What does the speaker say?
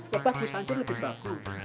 lebih bagus hancur lebih bagus